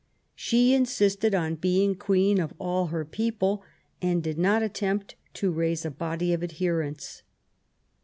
She insisted on being Queen of all her people, and did not attempt to raise a body of adherents.